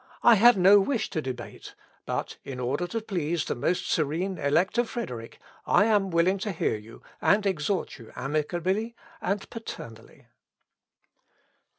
I have no wish to debate; but in order to please the most serene Elector Frederick, I am willing to hear you, and exhort you amicably and paternally."